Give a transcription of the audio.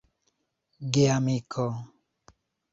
geamiko